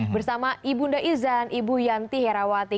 bersama ibu nda izan ibu yanti herawati